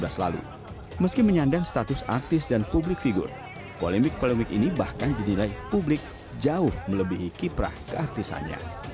pada tahun dua ribu tujuh belas lalu meski menyandang status artis dan publik figur polemik polemik ini bahkan dinilai publik jauh melebihi kiprah keartisannya